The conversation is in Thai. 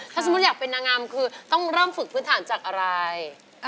ถ้าสมมุติอยากเป็นนางงามคือต้องเริ่มฝึกพื้นฐานจากอะไร